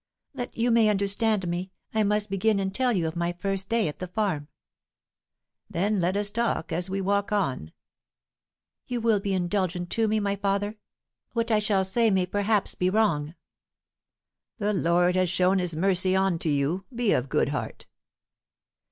"That you may understand me, I must begin and tell you of my first day at the farm." "Then let us talk as we walk on." "You will be indulgent to me, my father? What I shall say may perhaps be wrong." "The Lord has shown his mercy unto you. Be of good heart."